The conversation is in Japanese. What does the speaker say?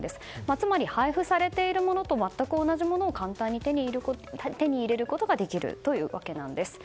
つまり、配布されているものと全く同じものを簡単に手に入れることができるというわけなんです。